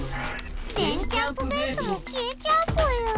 電キャんぷベースもきえちゃうぽよ。